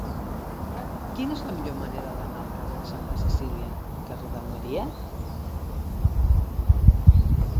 Quina és la millor manera d'anar del carrer de Santa Cecília al carrer d'Almeria?